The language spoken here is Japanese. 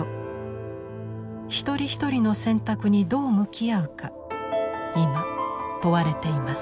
一人一人の選択にどう向き合うか今問われています。